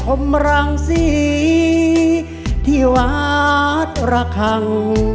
อุโตผมรังสีที่วัดระคัง